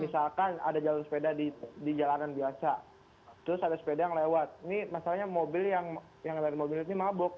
misalkan ada jalur sepeda di jalanan biasa terus ada sepeda yang lewat ini masalahnya mobil yang dari mobil ini mabuk